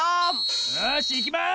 よしいきます！